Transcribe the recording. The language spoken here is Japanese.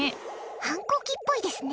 反抗期っぽいですね。